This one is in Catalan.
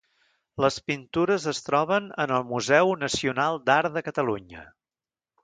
Les pintures es troben en el Museu Nacional d'Art de Catalunya.